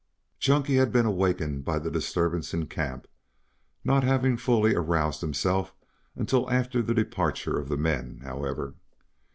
Chunky had been awakened by the disturbance in camp, not having fully aroused himself until after the departure of the men, however.